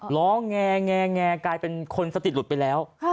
ร้องแงกลายเป็นคนสติหลุดไปแล้ว